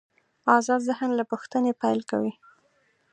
آزاد ذهن له پوښتنې پیل کوي.